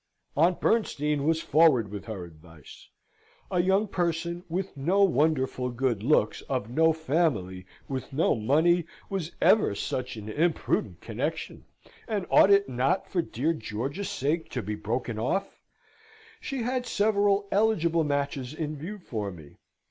Aunt Bernstein was forward with her advice. A young person, with no wonderful good looks, of no family, with no money; was ever such an imprudent connexion, and ought it not for dear George's sake to be broken off? She had several eligible matches in view for me.